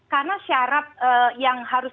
karena syarat yang harus